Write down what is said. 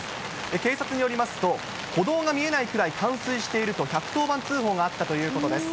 警察によりますと、歩道が見えないくらい冠水していると、１１０番通報があったということです。